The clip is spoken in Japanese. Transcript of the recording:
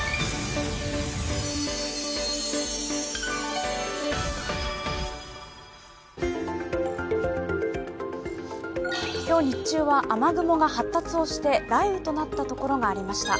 え．．．今日日中は雨雲が発達をして雷雨となったところがありました。